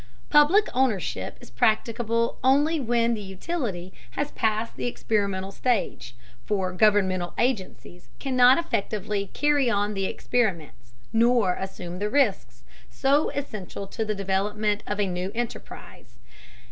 Public ownership is practicable only when the utility has passed the experimental stage, for governmental agencies cannot effectively carry on the experiments, nor assume the risks, so essential to the development of a new enterprise.